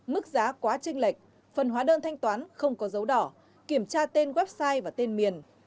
mức giá quá trình lệch phần hóa đơn thanh toán không có dấu đỏ kiểm tra tên website và tên miền